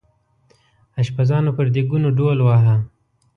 اشپزانو پر دیګونو ډول واهه.